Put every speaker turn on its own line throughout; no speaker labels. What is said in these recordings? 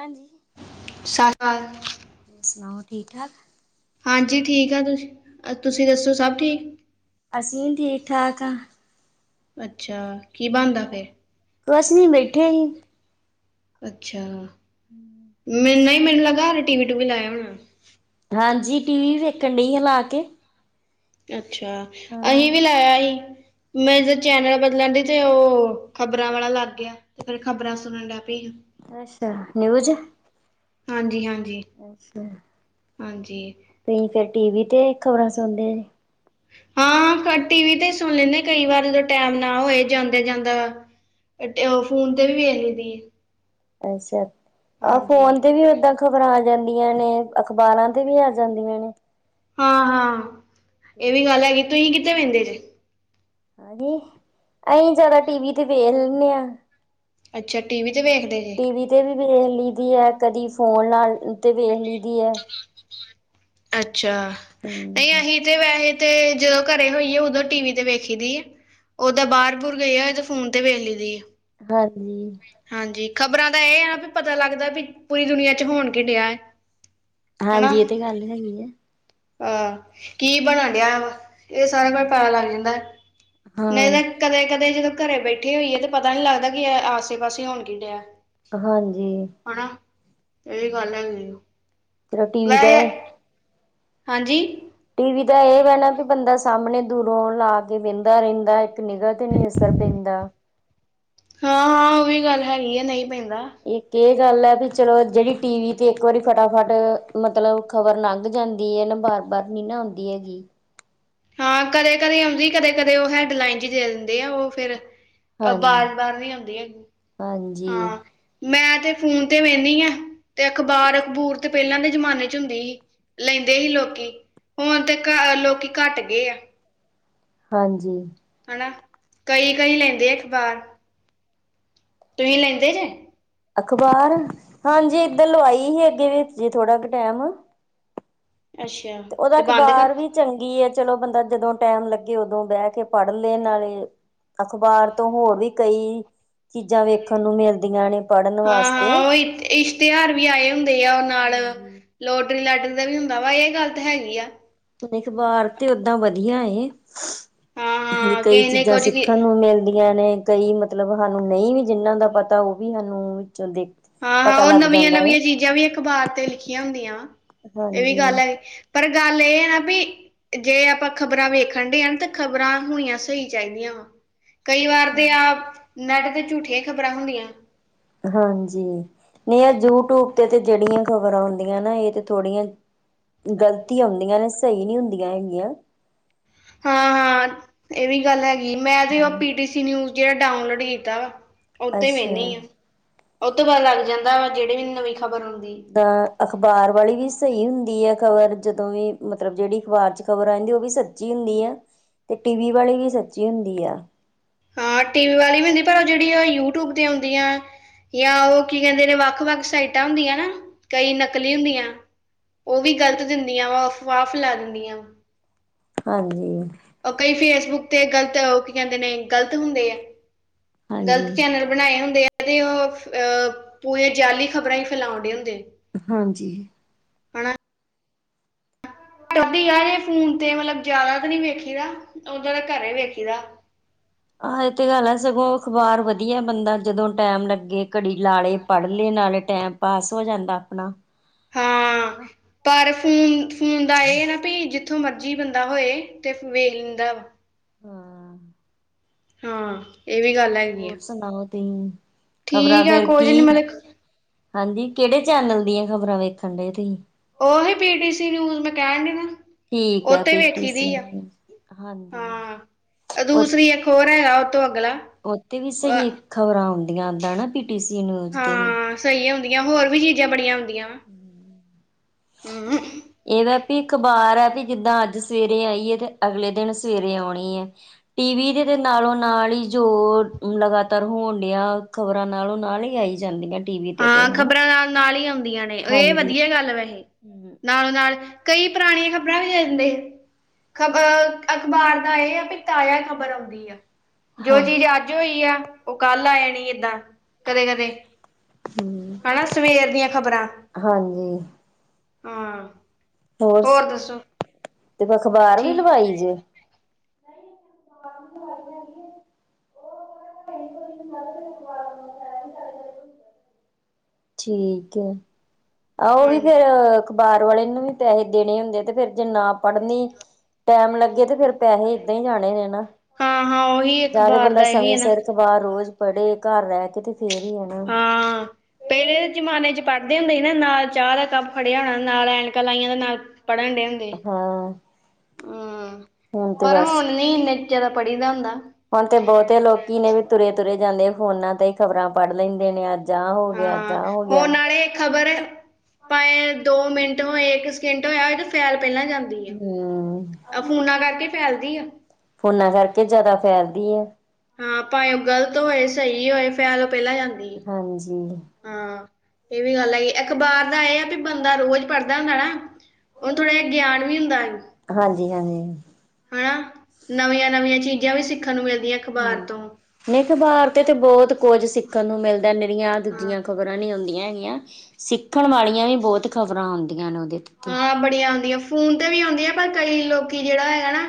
ਹਾਂਜੀ
ਸਾਲ
ਹੋਰ ਸੁਣਾਓ ਠੀਕ ਠਾਕ?
ਹਾਂਜੀ, ਠੀਕ ਆ ਤੁਸੀਂ ਤੁਸੀਂ ਦੱਸੋ ਸਭ ਠੀਕ?
ਅਸੀਂ ਠੀਕ ਠਾਕ ਆ।
ਅੱਛਾ, ਕੀ ਬਣਦਾ ਪਿਆ?
ਕੁਛ ਨੀ ਬੈਠੇ ਹੀ।
ਅੱਛਾ।
[inaudible]
ਮ ਨਹੀਂ ਮੈਨੂੰ ਲੱਗਾ, ਇੰਨੇ ਟੀ ਵੀ ਟੂ ਵੀ ਲਾਇਆਂ ਹੋਣ।
ਹਾਂਜੀ, ਟੀ ਵੀ ਵੇਖਣ ਡਈ ਆ ਲਾ ਕੇ।
ਅੱਛਾ,
ਹਾਂ
ਅਹੀ ਵੀ ਲਾਇਆ ਹੀ। ਮੈਂ ਜਦੋਂ ਚੈਨਲ ਬਦਲਣ ਡਾਈ ਤੇ ਉਹ ਖ਼ਬਰਾਂ ਵਾਲਾ ਲੱਗ ਗਿਆ। ਤੇ ਫਿਰ ਖਬਰਾਂ ਸੁਣਨ ਡੈ ਪਈਆਂ ਆ।
ਅੱਛਾ, ਨਿਊਜ
ਹਾਂਜੀ- ਹਾਂਜੀ
ਅੱਛਾ,
ਹਾਂਜੀ
ਤੁਸੀ ਫੇਰ ਟੀਵੀ ਤੇ ਖ਼ਬਰਾਂ ਸੁਣਦੇ ਜੇ
ਹਾਂ ਪਰ ਟੀ ਵੀ ਤੇ ਸੁਣ ਲੈਂਦੇ ਕਈ ਵਾਰ ਜਦੋਂ ਟੈਮ ਨਾ ਹੋਏ ਜਾਂਦੇ ਜਾਂਦਾ ਵੱਡੇ ਫੋਨ ਤੇ ਵੀ ਵੇਖ ਲਈ ਦੀ ੲ
ਅੱਛਾ, ਆਹ
ਹਾਂਜੀ
ਫੋਨ ਤੇ ਵੀ ਓਦਾਂ ਖ਼ਬਰਾਂ ਆ ਜਾਂਦੀਆਂ ਨੇ ਅਖ਼ਬਾਰਾਂ ਤੇ ਵੀ ਆ ਜਾਂਦੀਆਂ ਨੇ
ਹਾਂ- ਹਾਂ ਇਹ ਵੀ ਗੱਲ ਹੈਗੀ ਤੁਸੀ ਕਿਥੇ ਵਹਿੰਦੇ ਜੇ
ਹਾਂਜੀ ਅਸੀ ਜਿਆਦਾ ਟੀਵੀ ਤੇ ਵੇਖ ਲੈਂਦੇ ਹਾਂ
ਅੱਛਾ, ਟੀ ਵੀ ਤੇ ਵੇਖਦੇ ਜ
ਐਲਡੀ ਤੇ ਵੀ ਵੇਖ ਲਈ ਦੀ ੲ ਕਦੀ ਫੋਨ ਨਾਲ ਤੇ ਵੇਖ ਲਈ ਦੀ ਹੈ
ਅੱਛਾ ਨਹੀ ਅਸੀ ਤੇ ਵੈਸੇ ਤੇ ਜਦੋਂ ਘਰੇ ਹੋਈ ਉਦੋਂ ਟੀ ਵੀ ਤੇ ਵੇਖੀ ਦੀ ਏ ਓਦਾਂ ਬਾਹਰ ਬੁਰ ਗਈ ਆ ਦ ਤੇ ਫੋਨ ਵੇਖ ਲਈ ਦੀਏ
ਹਾਂਜੀ।
ਹਾਂਜੀ ਖ਼ਬਰਾਂ ਦਾ ਇਹ ਆ ਨਾ ਵੀ, ਪਤਾ ਲੱਗਦਾ ਵੀ ਪੂਰੀ ਦੁਨੀਆਂ ਚ ਹੋਣ ਕੇ ਡਿਆ ਐ।
ਹਾਂਜੀ, ਇਹ ਤੇ ਗੱਲ ਹੈਗੀ ਐਂ।
ਹਹ ਕੀ ਬਨਣ ਡਿਆ ਵਾ, ਇਹ ਸਾਰਿਆਂ ਕੋਲ ਪਤਾ ਲੱਗ ਜਾਂਦਾ। ਨਹੀਂ
ਹਾਂ
ਤਾਂ ਕਦੇ ਕਦੇਂ ਜਦੋਂ ਘਰੇ ਬੈਠੇ ਹੋਈਏ ਤਾਂ ਪਤਾ ਨਹੀਂ ਲੱਗਦਾ, ਕਿ ਆਸੇ ਪਾਸੇ ਹੋਣ ਕੀ ਡਿਆ।
ਹਾਂਜੀ,
ਹਨਾ ਇਹ ਵੀ ਗੱਲ ਹੈਗੀ
ਚਲੋ ਟੀਵੀ
ਵੈ
ਦਾ।
ਹਾਂਜੀ-
ਟੀ ਵੀ ਦਾ ਇਹ ਵੈ ਨਾ ਵੀ ਬੰਦਾ ਸਾਹਮਣੇ ਦੂਰੋਂ ਲਾ ਕੇ ਵਹਿੰਦਾ ਰਹਿੰਦਾ ਇੱਕ ਨਿਗਾਹ ਤੇ ਨੀ ਅਸਰ ਪੈਂਦਾ
ਹਾਂ- ਹਾਂ ਉਹ ਵੀ ਗੱਲ ਹੈਗੀ ਆ ਨਹੀ ਪੈਂਦਾ
ਇਕ ਇਹ ਗੱਲ ਹੈ ਵੀ ਚਲੋ ਜਿਹੜੀ ਟੀ ਵੀ ਤੇ ਇੱਕ ਵਾਰੀ ਫਟਾਫਟ ਮਤਲਬ ਖ਼ਬਰ ਲੰਘ ਜਾਂਦੀ ਇਹ ਨਾ ਬਾਰ- ਬਾਰ ਨ ਨਾ ਆਉਂਦੀ ਹੈਗੀ
ਹਾਂ ਕਦੇ- ਕਦੇ ਆਉਂਦੀ ਕਦੇ ਕਦੇ ਉਹ ਹੈਡਲਾਈਨ ਜੀ ਦੇ ਦਿੰਦੇ ਆ ਉਹ ਫਿਰ ਅ
ਹਾਂਜੀ
ਬਾਰ- ਬਾਰ ਨ ਆਉਂਦੀ ਹੈਗੀ
ਹਾਂਜੀ
ਹਾਂ ਮੈਂ ਤੇ ਫੋਨ ਤੇ ਵਹਿੰਦੀ ਹਾਂ, ਤੇ ਅਖ਼ਬਾਰ ਅਖਬੂਰ ਤੇ ਪਹਿਲਾਂ ਦੇ ਜ਼ਮਾਨੇ ਚ ਹੁੰਦੀ ਸੀ ਲੈਂਦੇ ਸੀ ਲੋਕੀ ਹੁਣ ਤੇ ਘ ਲੋਕੀ ਘੱਟ ਗਏ ਆ
ਹਾਂਜੀ
ਹਨਾ ਕਈ ਕਈ ਲੈਂਦੇ ਆ ਅਖਬਾਰ, ਤੁੂਸੀ ਲੈਂਦੇ ਜੇ
ਅਖ਼ਬਾਰ, ਹਾਂਜੀ ਇੱਧਰ ਲਵਾਈ ਸੀ ਅੱਗੇ ਵੀ ਜੇ ਥੋੜਾ ਕੁ ਟਾਈਮ
ਅੱਛਾ
ਤੇ ਉਹਦਾ
ਬੰਦ ਕਰ
ਅਖ਼ਬਾਰ ਵੀ ਚੰਗੀ ਹੈ, ਚਲੋ ਬੰਦਾ ਜਦੋਂ ਟਾਈਮ ਲੱਗੇ, ਉਦੋਂ ਬਹਿ ਕੇ ਪੜ੍ਹ ਲਏਣ ਨਾਲੇ ਅਖ਼ਬਾਰ ਤੋਂ ਹੋਰ ਵੀ ਕਈ ਚੀਜ਼ਾਂ ਵੇਖਣ ਨੂੰ ਮਿਲਦੀਆਂ ਨੇ, ਪੜ੍ਹਨ
ਹਾਂ
ਵਾਸਤੇ
ਉਹ ਇ
ਹਾਂ
ਇਸ਼ਤਿਹਾਰ ਵੀ ਆਏ ਹੁੰਦੇ ਆ ਉਹ ਨਾਲ
[unintelligible]
ਲੋਟਰੀ ਲਾਟਰੀ ਦਾ ਵੀ ਹੁੰਦਾ ਵਾ, ਇਹ ਗੱਲ ਤਾਂ ਹੈਗੀ ਆ
ਅਖਬਾਰ ਤੇ ਓਦਾਂ ਵਧੀਆ ੲ
ਹਾਂ-ਹਾਂ
ਕਈ
ਕਿਸੇ ਨੇ
ਚੀਜ਼ਾਂ
ਕੁੱਝ ਕੀ
ਸਿੱਖਣ ਨੂੰ ਮਿਲਦੀਆਂ ਨੇ ਕਈ ਮਤਲਬ ਹਾਨੂੰ ਨਹੀਂ ਵੀ ਜਿੰਹਨਾਂ ਦਾ ਪਤਾ ਉਹ ਵੀ ਹਾਨੂੰ ਵਿਚੋ ਦੇਖ
ਹਾਂ- ਹਾਂ
ਪਤਾ
ਉਹ
ਲੱਗ
ਨਵੀਆਂ-
ਜਾਂਦਾ ਏ
ਨਵੀਆਂ ਚੀਜ਼ਾਂ ਵੀ ਅਖ਼ਬਾਰ ਤੇ ਲਿਖੀਆਂ ਹੁੰਦੀਆਂ ਵ, ਇਹ ਵੀ
ਹਾਂਜੀ
ਗੱਲ ਹੈ ਪਰ ਗੱਲ ਇਹ ਨਾ ਵੀ, ਜੇ ਆਪਾਂ ਖ਼ਬਰਾਂ ਵੇਖਣ ਡਹ ਤੇ ਖ਼ਬਰਾਂ ਹੋਣੀਆਂ ਸਹੀ ਚਾਹੀਦੀਆਂ ਵਾ ਕਈ ਵਾਰ ਤੇ ਆਪ ਨੈਟ ਤੇ ਝੂਠੀਆਂ ਈ ਖ਼ਬਰਾਂ ਹੁੰਦੀਆਂ
ਹਾਂਜੀ, ਨਹੀਂ ਇਹ ਯੂਟਿਊਬ ਤੇ ਤੇ ਜਿਹੜੀਆਂ ਖ਼ਬਰਾਂ ਹੁੰਦੀਆਂ ਨਾ ਇਹ ਤੇ ਥੋੜੀਆਂ, ਗ਼ਲਤੀ ਹੁੰਂਦੀਆਂ ਨੇ ਸਹੀ ਨਹੀਂ ਹੁੰਦੀਆਂ ਹੈਗੀਆਂ
ਹਾਂ- ਹਾਂ ਇਹ ਵੀ ਗੱਲ ਹੈਗੀ, ਮੈਂ ਤੇ ਉਹ ਪੀਟੀ ਸੀ ਨਿਊਜ਼ ਜਿਹੜਾ ਡਾਊਨਲੋਡ ਕੀਤਾ ਵਾ ਉਹ ਤੇ
ਅੱਛਾ
ਵਹਿੰਨੀ ਆ, ਉਹ ਤੋਂ ਬਾਅਦ ਲੱਗ ਜਾਂਦਾ ਵਾ ਜਿਹੜੇ ਵੀ ਨਵੀਂ ਖਬਰ ਹੁੰਦੀ
ਤਾਂ ਅਖ਼ਬਾਰ ਵਾਲੀ ਵੀ ਸਹੀ ਹੁੰਦੀ ਹੈ ਖ਼ਬਰ ਜਦੋਂ ਵੀ ਮਤਲਬ ਜਿਹੜੀ ਅਖ਼ਬਾਰ 'ਚ ਖ਼ਬਰ ਆਂਦੀ ਉਹ ਵੀ ਸ ਸੱਚੀ ਹੁੰਦੀ ਆ ਤੇ ਟੀ ਵੀੀ ਵਾਲੀ ਵੀ ਸੱਚੀ ਹੁੰਦੀ ਆ
ਹਾਂ ਟੀ ਵੀ ਵਾਲੀ ਵੀ ਹੁੰਦੀ ਪਰ ਜਿਹੜੀ ਆ ਯੂਟਿਊਬ ਦੀ ਆਉਂਦੀ ਆ ਜਾਂ ਉਹ ਕੀ ਕਹਿੰਦੇ ਨੇ ਵੱਖ ਵੱਖ ਸਾਈਟਾਂ ਹੁੰਦੀਆਂ ਨਾ ਕਈ ਨਕਲੀ ਹੁੰਦੀਆਂ ਉਹ ਵੀ ਗ਼ਲਤ ਦਿੰਦੀਆਂ ਵਾ ਅਫਵਾਹ ਫੈਲਾ ਦਿੰਦੀਆਂ ਵਾ
ਆਹੋ
ਉਹ ਕਈ ਫੇਸਬੁੱਕ ਤੇ ਗ਼ਲਤ ਉਹ ਕੀ ਕਹਿੰਦੇ ਨੇ ਗ਼ਲਤ ਹੁੰਦੇ ਆ
ਹਾਂਜੀ
ਗਲਤ ਚੈਨਲ ਬਣਾਏ ਹੁੰਦੇ ਆ ਤੇ ਉਹ ਅਹ ਪੂਰੇ ਜਅਲੀ ਖ਼ਬਰਾਂ ਹੀ ਫੈਲਾਉਣ ਡ ਹੁੰਦੇ
ਹਾਂਜੀ
ਹਨਾ [unintelligible] ਫੋਨ ਤੇ ਮਤਲਬ ਜਿਆਦਾ ਤਾਂ ਨੀ ਵੇਖੀ ਦਾ ਉਦਾਂ ਤਾਂ ਘਰੇ ਈ ਵੇਖੀ ਦਾ
ਆਹੋ ਇਹ ਤੇ ਗੱਲ ਹੈ ਸਗੋਂ ਅਖਬਾਰ ਵਧੀਆ ਬੰਦਾ ਜਦੋਂ ਟੈਮ ਲੱਗੇ ਘੜੀ ਲਾ ਲੇ ਪੜ ਲੇ ਨਾਲੇ਼ ਟੈਮ ਪਾਸ ਹੋ ਜਾਂਦਾ ਆਪਣਾ।
ਹਾਂ
[unintelligible]
ਪਰ ਫੂਨ, ਫੂਨ ਦਾ ਏ ਨਾ ਭਈ, ਜਿੱਥੋਂ ਮਰਜੀ ਬੰਦਾ ਹੋਏ, ਤੇ ਵੇਖ ਲੇਂਦਾ ਵੇ।
ਹੂੰ
ਹਾਂ, ਏ ਵੀ ਗੱਲ ਹੈਗੀ
ਹੋਰ
ਏ,
ਸੁਣਾਓ ਤੁਸੀਂ ਖ਼ਬਰਾਂ
ਠੀਕ ਐ
ਫੇਰ
ਕੋਝ ਨੀ
ਕੀ
ਮਤਲਬ
ਹਾਂਜੀ, ਕੇੜੇ ਚੈਨਲ ਦੀਆਂ ਖ਼ਬਰਾਂ ਵੇਖਣ ਡੇ ਤੂਹੀਂ
ਓਹੀ ਪੀਟੀ ਸੀ ਨਿਊਜ਼ ਮੈਂ ਕੈਨ ਡਈ ਨਾ
ਠੀਕ ਐ,
ਉਹਤੇ
ਪੀਟੀ
ਵੇਖੀ
ਸੀ
ਦੀ ਆ ਹਾਂ ਦੂਸਰੀ
ਹਾਂਜੀ
ਇੱਕ ਹੋਰ ਹੈਗਾ ਉਹ ਤੋਂ ਅਗਲਾ
ਓਥੇ ਵੀ ਸੀਗੀ ਖ਼ਬਰਾਂ ਔਦੀਆਂ ਓਦਾਂ ਣਾ, ਪੀਟੀ ਸੀ ਨਿਊਜ ਤੇ ਵੀ।
ਸਈ ਔਂਦੀਆਂ ਹੋਰ ਵੀ ਚੀਜਾ ਬੜੀਆਂ ਔਂਦੀਆਂ ਵਾ। ਹੂੰ
ਏ ਦਾ ਪੀ ਅਖ਼ਬਾਰ ਆ, ਵੀ ਜਿੱਦਾਂ ਆੱਜ ਸਵੇਰੇ ਆਈ ਏ ਤੇ ਅਗਲੇ ਦੇਣ ਸਵੇਰੇ ਔਣੀ ਏ। ਟੀ ਵੀ ਦੇ ਤੇ ਨਾਲੋਂ ਨਾਲ਼ ਈ। ਜੋ ਲਗਾਤਾਰ ਹੋਣ ਡੇਆਂ, ਖ਼ਬਰਾਂ ਨਾਲੋ਼ ਨਾਲ਼ ਈ ਆਈ ਜਾਂਦੀਆਂ। ਟੀ ਵੀ ਤੇ ਤੇ
ਹਾਂ
ਹਨਾ
ਖ਼ਬਰਾਂ ਨਾਲ਼ ਈ ਔਦੀਆਂ ਨੇ, ਏ
ਹਾਂਜੀ
ਵਦੀਆ ਗੱਲ ਵੈਹੇ।
ਹੂੰ,
ਨਾਲੋ਼, ਨਾਲ਼ ਕਈ ਪਰਾਣੀਆਂ ਖ਼ਬਰਾਂ ਵੀ ਦੇ ਦੀਂਦੇ, ਖਬਰ ਅਖ਼ਬਾਰ ਦਾ ਏ ਆ ਵੀ ਤਾਆ ਖਬਰ ਆਉਂਦੀ ਆ। ਜੋ
ਹਾਂ
ਚੀਜ਼ ਅੱਜ ਹੋਈ ਆ, ਓ ਕੱਲ ਆ ਜਾਣੀ ਏਦਾਂ ਕਦੇ, ਕਦੇ
ਹਮ
ਹਣਾਂ ਸਵੇਰ ਦੀਆਂ ਖ਼ਬਰਾਂ।
ਹਾਂਜੀ
ਹਾਂ, ਹੋਰ ਦੱਸੋ?
ਤੇ ਅਖ਼ਬਾਰ ਵੀ
ਠੀਕ
ਲਵਾਈ ਜੇ? [unintelligible] [unintelligible] ਠੀਕ ਏ,
ਹਾਂਜੀ
[unintelligible] ਅਖ਼ਬਾਰ ਵਾਲੇ਼ ਨੂੰ ਵੀ ਪੈਹੇ ਦੇਣੇ ਹੁੰਦੇ, ਤੇ ਫੇਰ ਜੇ ਨਾ ਪੜਨੀ ਟੈਮ ਲੱਗੇ ਤੇ ਫੇਰ ਪੈਹੇ ਇਦਾਂ ਈ ਜਾਣੇ ਨੇ ਨਾ।
ਹਾਂ, ਹਾਂ ਓਹੀ ਅਖਬਾਰ ਦਾ ਏਹੀ ਏ ਨਾ।
ਇੱਕ ਵਾਰ ਰੋਜ ਪੜੋ, ਘਰ ਰੈ ਕੇ ਤੇ ਫੇਰ ਈ ਆਨਾ।
ਪੇਅਲੇ ਦੇ ਜਮਾਨੇ ਚ ਪੜਦੇ ਹੁੰਦੇ ਹੀ ਨਾ, ਨਾਲ ਚਾਹ ਦਾ ਕੱਪ ਫੜੇਆ ਹੋਣਾ ਨਾਲ ਐਕਾਂ ਲਾਈਆਂ ਦਾ ਨਾਲ਼ ਪੜਨ ਡੇਂ ਹੁੰਦੇ ਹੀ,
ਹਾਂ
ਊਂ
ਹੁਣ ਤੇ
ਪਰ ਹੋਣ ਨੀਂ [unintelligible] ਪੜੀ ਦਾ ਹੁੰਦਾ।
ਹੋਣ ਤਾ ਬੋਤੇ ਲੋਕੀ ਨੇ ਵੀ ਤੁਰੇ, ਤੁਰੇ ਜਾਂਦੇ ਫੋਨਾਂ ਤੇ, ਖ਼ਬਰਾਂ ਪੜ ਲੈਂਦੇ ਨੇ ਅੱਜ ਆਹ ਹੋ ਗਿਆ ਅੱਜ
ਹਾਂ,
ਆਹ ਹੋ
ਓ
ਗਿਆ।
ਨਾਲੇ਼ ਖਬਰ ਭਾਏ ਦੋ ਮਿੰਟ ਹੋਏ ਇੱਕ ਸੇਕੇਂਟ ਹੋਏਆ, ਹੋ ਤੇ ਫੈਲ਼ ਪੈਲਾ ਜਾਂ
ਹਮ
ਆ ਫੂਨਾਂ ਕਰਕੇ ਫੈਲਦੀ ਆ।
ਫੋਨਾਂ ਕਾਰਕੇ ਜੈਦਾ ਫੈਲਦੀ ਆ।
ਹੂੰ, ਭਾਏ ਓ ਗ਼ਲਤ ਹੋਏ ਸਹੀ ਹੋਏ, ਫੈਲ ਪੈਲ ਜਾਂਦੀ।
ਹਾਂਜੀ।
ਹਾਂ, ਏ ਵੀ ਗੱਲ ਆਈ, ਅਖ਼ਬਾਰ ਦਾ ਏ ਆ ਬੀ ਬੰਦਾ ਰੋਜ ਪੜਦਾ ਹੂੰਦਾ ਨਾ। ਓਣ ਥੋੜਾ ਜੇਆ ਗੇਆਨ ਵੀ ਹੁੰਦਾ ਈ।
ਹਾਂਜੀ ਹਾਂਜੀ।
ਹਣਾ ਨਵੀਆਂ, ਨਵੀਆਂ ਚੀਜਾ ਵੀ ਸਿੱਖਨ ਨੂੰ ਮਿਲਦੀਆਂ ਅਖਬਾਰ
ਹੂੰ,
ਤੋਂ
ਨਈ ਅਖ਼ਬਾਰ ਤੇ ਤੇ ਬੋਤ ਕੋਝ ਸਿੱਖਨ ਨੂੰ ਮਿਲਦਾ ਨੀਰੀਆਂ
ਹਾਂ
ਦੂਜੀਆਂ ਖ਼ਬਰਾਂ। [unintelligible] ਹੁੰਦੀਆਂ ਹੈਗੀਆਂ ਸਿੱਖਣ ਵਾਲੀ਼ਆਂ ਵੀ ਬੋਤ ਖ਼ਬਰਾਂ ਔਦੀਆਂ ਨੇ ਓਦੇ ਤੇ ਤੇ।
ਤੇ ਔਦੀਆਂ ਫੂਨ ਤੇ ਵੀ ਔਂਦੀਆ ਪਰ ਕਈ ਲੋਕੀ ਜੇੜਾ ਹੈਗਾ ਨਾ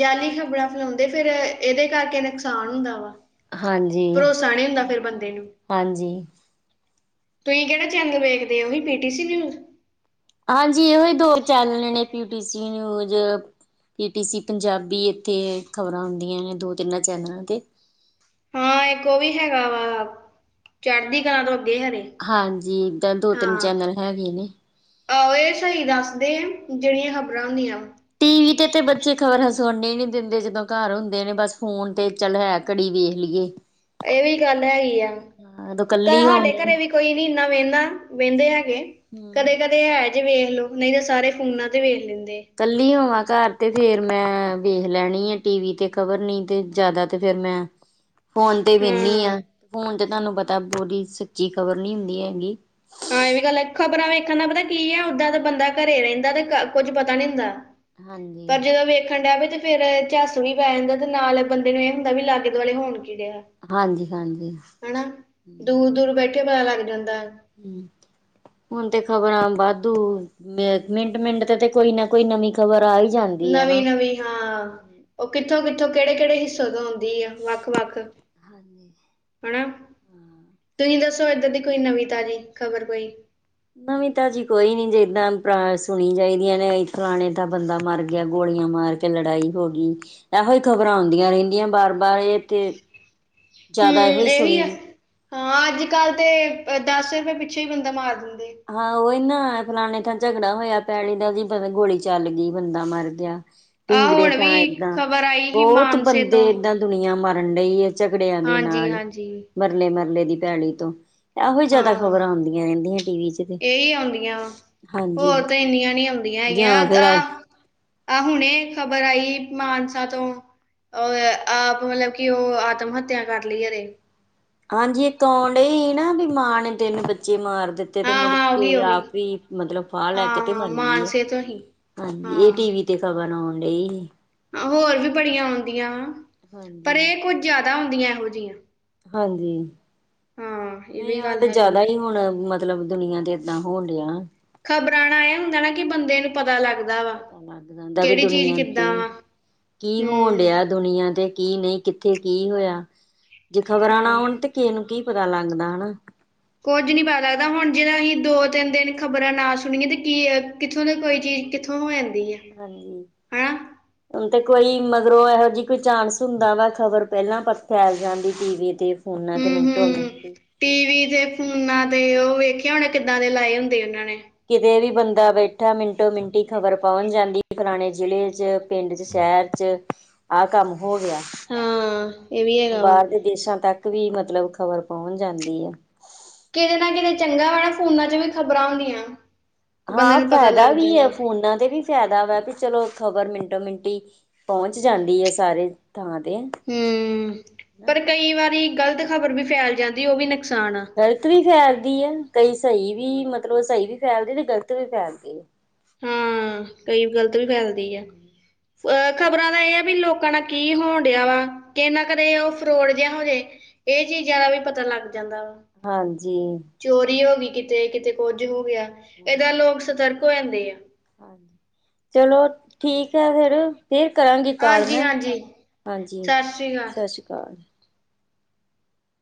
ਜਾਲੀ ਖਬਰਾਂ ਫ ਤੇ ਫੇਰ ਏਦੇ ਕਰਕੇ ਨਕਸਾਨ ਹੁੰਦਾ ਵਾ। ਭਰੋਸਾ ਨਹੀਂ ਹੁੰਦਾ ਫਿਰ ਬੰਦੇ
ਹਾਂਜੀ-ਹਾਂਜੀ।
ਤੁਹੀਂ ਕੇੜਾ ਚੈਨਲ ਵੇਖਦੇ ਓ, ਓਹੀ ਪੀ ਟੀ ਸੀ ਨਿਊਜ਼?
ਹਾਂਜੀ, ਏਹੀ ਦੋ ਚੈਨੀ ਨੇ ਪੀਟੀ ਸੀ news. P T C Punjabi ਏਥੇ, ਖ਼ਬਰਾਂ ਔਦੀਆਂ ਨੇ ਦੋ ਤਿੰਨਾਂ ਚੈਨਲਾ਼ ਤੇ।
ਹਾਂ, ਏਕ ਉਹ ਵੀ ਹੈਗਾ ਵਾ, ਚਾੜਦੀ ਕਲਾਂ ਤੋਂ ਅੱਗੇ ਹੈਏ।
ਹਾਂਜੀ ਇੱਦਾਂ ਦੋ ਤਿੰਨ ਚੈਨਲ ਹੈਗੇ ਨੇ।
ਆਹੋ ਇਹ ਸਹੀ ਦੱਸਦੇ ਜਿਹੜੀਆਂ ਖ਼ਬਰਾਂ ਹੁੰਦੀਆਂ।
ਟੀ ਵੀ ਤੇ -ਤੇ ਬੱਚੇ ਖ਼ਬਰਾਂ ਸੁਣਨੇ ਨੀ ਦਿੰਦੇ ਜਦੋਂ ਘਰ ਹੁੰਦੇ ਨੇ ਬਸ ਫੋਨ ਤੇ ਚੱਲ ਹੈ। ਘੜੀ ਵੇਖ ਲਈਏ।
ਇਹ ਵੀ ਗੱਲ ਹੈਗੀ ਆ।
ਹਾਂ ਉਦੋਂ
ਤਾਂ
ਕੱਲੀ
ਸਾਡੇ
ਹੋਵੇ
ਘਰੇ ਵੀ ਕੋਈ ਨੀ ਇਨਾ ਵਹਿੰਦਾ ਵਹਿੰਦੇ ਹੈਗੇ
ਹੂੰ।
ਕਦੇ ਕਦੇ ਹੈ ਜੇ ਵੇਖ ਲੋ ਨਹੀਂ ਤਾਂ ਸਾਰੇ ਫੋਨਾਂ ਤੇ ਵੇਖ ਲੈਂਦੇ।
ਕੱਲੀ ਹੋਵਾਂ ਘਰ ਤੇ ਫੇਰ ਮੈਂ ਵੇਖ ਲੈਣੀ ਆ ਟੀ ਵੀ ਤੇ ਖ਼ਬਰ ਨੀ ਤੇ ਜ਼ਿਆਦਾ ਤੇ ਫਿਰ ਮੈਂ ਫੋਨ ਤੇ ਵਹਿੰਦੀ
ਹਾਂ
ਆ ਫੋਨ ਤੇ ਤੁਹਾਨੂੰ ਪਤਾ ਪੂਰੀ ਸੱਚੀ ਖ਼ਬਰ ਨੀ ਹੁੰਦੀ ਹੈਗੀ
ਹਾਂ ਇਹ ਵੀ ਗੱਲ ਹੈ ਖ਼ਬਰਾਂ ਵੇਖਣ ਦਾ ਪਤਾ ਕੀ ਹੈ ਓਦਾਂ ਦਾ ਬੰਦਾ ਘਰੇ ਰਹਿੰਦਾ ਤੇ ਕੁੱਝ ਪਤਾ ਨੀ ਹੁੰਦਾ।
ਹਾਂਜੀ,
ਪਰ ਜਦੋਂ ਵੇਖਣ ਡਵੇ ਤੇ ਫੇਰ ਝੱਸ ਵੀ ਪੈ ਜਾਂਦਾ ਤੇ ਨਾਲ ਬੰਦੇ ਨੂੰ ਇਹ ਹੁੰਦਾ ਵੀ ਲਾਗੇ ਦੁਆਲੇ ਹੋਣ ਕੀ ਡਿਆ।
ਹਾਂਜੀ, ਹਾਂਜੀ
ਹਨਾ ਦੂਰ-ਦੂਰ ਬੈਠੇ ਪਤਾ ਲੱਗ ਜਾਂਦਾ।
ਹੁਣ ਤੇ ਖ਼ਬਰਾਂ ਵਾਧੂ ਮ ਮਿੰਟ-ਮਿੰਟ ਤੇ- ਤੇ ਕੋਈ ਨਾ ਕੋਈ ਨਵੀਂ ਖ਼ਬਰ ਆ ਹੀ ਜਾਂਦੀ ਆ
ਨਵੀਂ
ਨਾ।
ਨਵੀਂ ਹਾਂ ਉਹ ਕਿੱਥੋਂ-ਕਿੱਥੋਂ ਕਿਹੜੇ-ਕਿਹੜੇ ਹਿੱਸੇ ਤੋਂ ਆਉਂਦੀ ਆ ਵੱਖ-ਵੱਖ
ਹਾਂਜੀ
ਹਨਾ ਤੁਸੀਂ ਦੱਸੋ ਏਧਰ ਦੀ ਕੋਈ ਨਵੀਂ ਤਾਜ਼ੀ ਖ਼ਬਰ ਕੋਈ
ਨਵੀ ਤਾਂ ਜੀ ਕੋਈ ਨੀ ਜਿੱਦਾਂ ਸੁਣੀ ਚਾਹੀਦੀਆਂ ਨੇ ਫਲਾਣੇ ਤਾਂ ਬੰਦਾ ਮਰ ਗਿਆ ਗੋਲੀਆਂ ਮਾਰ ਫਿਰ ਲੜਾਈ ਹੋ ਗਈ। ਇਹੋ ਹੀ ਖ਼ਬਰਾਂ ਆਉਂਦੀਆਂ ਰਹਿੰਦੀਆਂ ਬਾਰ-ਬਾਰ ਇਹ ਤੇ
ਹੂੰ
ਜ਼ਿਆਦਾ ਇਹੋ ਹੀ
ਇਹੀ
ਸੁਣੀ
ਆ ਹਾਂ ਅੱਜ ਕੱਲ ਤੇ ਦਸ ਰੁਪਏ ਪਿੱਛੋਂ ਹੀ ਬੰਦਾ ਮਾਰ ਦਿੰਦੇ।
ਹਾਂ ਉਹੀ ਨਾ ਫਲਾਣੇ ਥਾਂ ਝਗੜਾ ਹੋਇਆ ਪੈਲੀ ਦਾ ਜ ਗੋਲੀ ਚੱਲ ਗਈ ਬੰਦਾ ਮਰ ਗਿਆ।
ਆ
ਢੀਗੜੇ
ਹੁਣ
ਤਾਂ
ਵੀ
ਏਦਾਂ
ਖਬਰ ਆਈ ਸੀ
ਬਹੁਤ
ਮਾਨਸੇ
ਬੰਦੇ
ਤੋਂ
ਏਦਾਂ ਦੁਨੀਆਂ ਮਰਨ ਡਈ ਏ। ਝਗੜਿਆਂ ਦੇ
ਹਾਂਜੀ
ਨਾਲ
ਹਾਂਜੀ
ਮਰਲੇ- ਮਰਲੇ ਦੀ ਪੈਲੀ ਤੋਂ ਇਹੋ ਹੀ ਜਿਆਦਾ
ਹਾਂ
ਖ਼ਬਰਾਂ ਆਉਂਦੀਆਂ ਰਹਿੰਦੀਆਂ ਟੀ ਵੀ 'ਚ ਤੇ
ਇਹੀ ਆਉਂਦੀਆਂ ਵਾ
ਹਾਂਜੀ
ਹੋਰ ਤਾਂ ਇੰਨੀਆਂ ਨ ਆਉਂਦੀਆਂ
ਜਾਂ
ਹੈਗੀਆਂ
ਫਿਰ
ਆ। ਆਹ ਹੁਣੇ ਖ਼ਬਰ ਆਈ ਮਾਨਸਾ ਤੋਂ ਉਹਰ ਆਪ ਮਤਲਬ ਕਿ ਉਹ ਆਤਮ ਹੱਤਿਆ ਕਰ ਲਈਏਦੇ।
ਹਾਂਜੀ ਇੱਕ ਆਉਣ ਹੀ ਨਾ ਵੀ ਮਾਂ ਨੇ ਤਿੰਨ ਬੱਚੇ ਮਾਰ ਦਿੱ ਤੇ ਮੁੜ
ਹਾਂ-ਹਾਂ
ਕੇ
ਉਹੀ ਉਹੀ
ਆਪ ਹੀ ਮਤਲਬ ਫਾਹ ਲੈ ਕੇ ਤੇ
ਹਾਂ-ਹਾਂ
ਮਰ ਗਈ ਹੈ
ਮਾਨਸੇ ਤੋਂ ਹੀ
ਹਾਂਜੀ ਇਹ
ਹਾਂ
ਟੀ ਵੀ ਤੇ ਖ਼ਬਰ ਆਉਣ ਡਈ ਹੀ।
ਹੋਰ ਵੀ ਬੜੀਆਂ ਆਉਂਦੀਆਂ ਵਾਂ ਪਰ
ਹਾਂਜੀ
ਇਹ ਕੁੱਝ ਜ਼ਿਆਦਾ ਆਉਂਦੀਆਂ ਇਹੋ ਜਿਹੀਆਂ।
ਹਾਂਜੀ
ਹਾਂ ਇਹ
ਨਹੀਂ
ਵੀ
ਆਹ
ਗੱਲ
ਤੇ
ਹੈਗੀ
ਜਿਆਦਾ ਹੀ ਹੁਣ ਮ ਮਤਲਬ ਦੁਨੀਆਂ ਤੇ ਏਦਾਂ ਹੋਣ ਡਿਆ।
ਖ਼ਬਰਾਂ ਨਾਲ ਇਹ ਹੁੰਦਾ ਨਾ ਕਿ ਬੰਦੇ ਨੂੰ ਪਤਾ ਲੱਗਦਾ ਵਾ।
ਪਤਾ ਲੱਗ ਜਾਂਦਾ ਵੀ
ਕਿਹੜੀ ਚੀਜ਼
ਦੁਨੀਆਂ ਤੇ
ਕਿੱਦਾਂ ਵਾ
ਕੀ ਹੋਣ
ਹੂੰ
ਡਿਆ। ਦੁਨੀਆਂ ਦੇ ਕੀ ਨਹੀਂ ਕਿੱਥੇ ਕੀ ਹੋਇਆ ਜੇ ਖ਼ਬਰਾਂ ਨਾ
ਹਾਂ
ਆਉਣ ਤੇ ਕਿਸੇ ਨੂੰ ਕੀ ਪਤਾ ਲੱਗਦਾ ਹਨਾ।
ਕੁੱਝ ਨੀ ਪਤਾ ਲੱਗਦਾ ਹੁਣ ਜੇ ਅਸੀਂ ਦੋ ਤਿੰਨ ਦਿਨ ਖ਼ਬਰਾਂ ਨਾ ਸੁਣਏ ਤੇ ਕੀ ਕਿੱਥੋਂ ਦਾ ਕੋਈ ਚੀਜ਼ ਕਿੱਥੋਂ ਹੋ ਜਾਂਦੀ ਐ।
ਹਾਂਜੀ ਹੁਣ ਤੇ ਕੋਈ ਮਗਰੋਂ ਇਹੋ ਜਿਹੀ ਕੋਈ ਚਾਂਸ ਹੁੰਦਾ ਵਾ ਖ਼ਬਰ ਪਹਿਲਾਂ ਪ ਫੈਲ ਜਾਂਦੀ ਟੀ ਵੀ ਤੇ ਫੋਨਾਂ ਦੇ ਮਿੰਟੋ
ਹੂੰ-ਹੂੰ
ਮਿੰਟੀ
ਟੀ ਵੀ ਤੇ ਫੋਨਾਂ ਤੇ ਉਹ ਵੇਖਿਆ ਹੋਣਾ ਕਿੱਦਾਂ ਦੇ ਲਾਏ ਹੁੰਦੇ ਉਨਾਂ ਨੇ
ਕਿਤੇ ਵੀ ਬੰਦਾ ਬੈਠਾ ਮਿੰਟੋ ਮਿੰਟੀ ਖ਼ਬਰ ਪਹੁੰਚ ਜਾਂਦੀ ਫਲਾਨੇ ਜ਼ਿਲ੍ਹੇ 'ਚ ਪਿੰਡ 'ਚ ਸ਼ਹਿਰ ਚ ਆ ਕੰਮ ਹੋ ਗਿਆ।
ਹਾਂ ਇਹ ਵੀ ਹੈਗਾ ਵਾ
ਬਾਰ ਦੇ ਦੇਸਾਂ ਤੱਕ ਵੀ ਮਤਲਬ ਖ਼ਬਰ ਪਹੁੰਚ ਜਾਂਦੀ ਆ।
ਕਿਤੇ ਨਾ ਕਿਤੇ ਚੰਗਾ ਵਾ ਨਾ ਫੋਨਾ 'ਚ ਵੀ ਖ਼ਬਰਾਂ ਹੁੰਦੀਆਂ। ਬੰਦੇ
ਹਾਂ,
ਨੂੰ ਪਤਾ
ਫਾਇਦਾ
ਲੱਗ
ਵੀ ਏ
ਜਾਂਦਾ
ਫੋਨਾਂ ਤੇ ਵੀ ਫਾਇਦਾ ਵਾ, ਵੀ ਚਲੋ ਖ਼ਬਰ ਮਿੰਟੋ-ਮਿੰਟੀ ਪਹੁੰਚ ਜਾਂਦੀ ਏ ਸਾਰੇ ਥਾਂ ਤੇ
ਹੂੰ ਪਰ ਕਈ ਵਾਰੀ ਗ਼ਲਤ ਖ਼ਬਰ ਵੀ ਫੈਲ ਜਾਂਦੀ ਓ ਵੀ, ਨੁਕਸਾਨ ਆ।
ਗਲਤ ਵੀ ਫੈਲਦੀ ਹੈ। ਕਈ ਸਹੀ ਵੀ, ਮਤਲਬ, ਸਹੀ ਵੀ ਫੈਲਦੇ ਤੇ, ਗਲਤ ਵੀ ਫੈਲਦੀ ਆ।
ਹਾਂ, ਕਈ ਗਲਤ ਵੀ ਫੈਲਦੀ ਆ। ਅਹ ਖ਼ਬਰਾਂ ਦਾ ਇਹ ਆ ਵੀ, ਲੋਕਾਂ ਨਾਲ ਕੀ ਹੋਣ ਡਿਆ ਵਾ। ਕਿਨਾ ਕਰਦੇ ਉਹ ਫਰੋਡ ਜਿਹਾ ਹੋਜੇ, ਇਹ ਚੀਜ਼ਾਂ ਦਾ ਵੀ ਪਤਾ ਲੱਗ ਜਾਂਦਾ ਵਾ।
ਹਾਂਜੀ।
ਚੋਰੀ ਹੋ ਗਈ ਕਿਤੇ, ਕਿਤੇ ਕੁੱਝ ਹੋ ਗਿਆ, ਏਦਾਂ ਲੋਕ ਸਤਰਕ ਹੋ ਜਾਂਦੇ ਆ।
ਚਲੋ, ਠੀਕ ਹੈ, ਫਿਰ। ਫਿਰ ਕਰਾਂਗੀ ਕਾਲ,
ਹਾਂਜੀ
ਮੈਂ
ਹਾਂਜੀ
ਹਾਂਜੀ,
ਸਤਿ ਸ਼੍ਰੀ ਅਕਾਲ
ਸਤਿ ਸ਼੍ਰੀ ਅਕਾਲ।